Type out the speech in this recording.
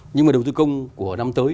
nhưng mà đầu tư công của năm tới